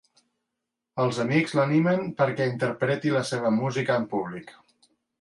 Els amics l'animen perquè interpreti la seva música en públic.